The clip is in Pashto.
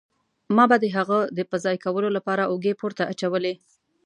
ما به د هغه د په ځای کولو له پاره اوږې پورته اچولې.